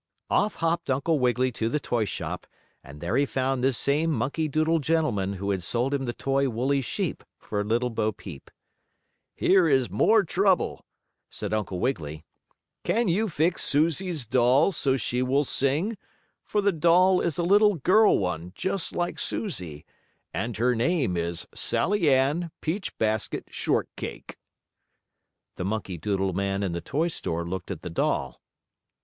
Off hopped Uncle Wiggily to the toy shop, and there he found the same monkey doodle gentleman who had sold him the toy woolly sheep for Little Bo Peep. "Here is more trouble," said Uncle Wiggily. "Can you fix Susie's doll so she will sing, for the doll is a little girl one, just like Susie, and her name is Sallieann Peachbasket Shortcake." The monkey doodle man in the toy store looked at the doll.